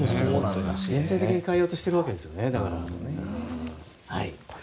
全体的に変えようとしているんですね。